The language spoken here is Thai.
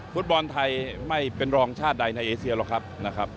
ฟุตบอลไทยไม่เป็นรองชาติใดในเอเซียหรอกครับนะครับ